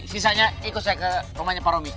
sisanya ikut saya ke rumahnya pak romi